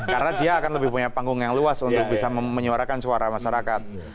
karena dia akan lebih punya panggung yang luas untuk bisa menyuarakan suara masyarakat